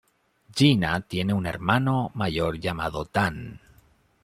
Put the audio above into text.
Geena tiene un hermano mayor llamado Dan.